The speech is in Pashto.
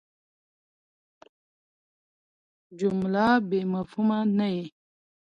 جمله بېمفهومه نه يي.